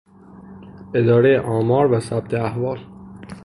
ادارهٔ آمار و ثبت احوال